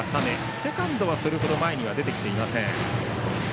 セカンドはそれほど前に出ていません。